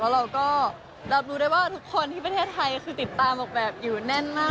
เราก็รับรู้ได้ว่าทุกคนที่ประเทศไทยคือติดตามออกแบบอยู่แน่นมาก